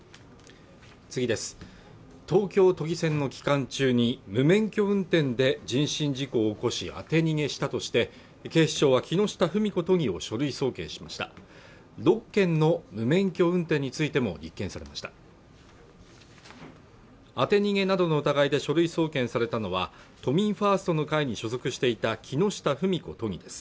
東京都議選の期間中に無免許運転で人身事故を起こし当て逃げしたとして警視庁は木下富美子都議を書類送検しました６件の無免許運転についても立件されました当て逃げなどの疑いで書類送検されたのは都民ファーストの会に所属していた木下富美子都議です